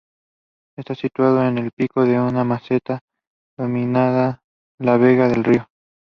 It is located in the municipality of Monnickendam in the Netherlands.